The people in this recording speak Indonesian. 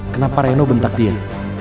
kenapa reno bentak diam